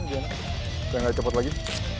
kayaknya nggak cepat lagi